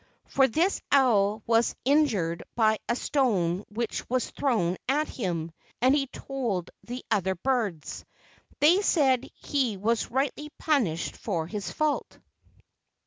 For this the owl was injured by a stone which was thrown at him, and he told the other birds. They said he was rightly punished for his fault.